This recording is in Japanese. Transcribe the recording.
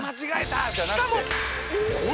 しかも！